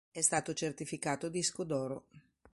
È stato certificato disco d oro.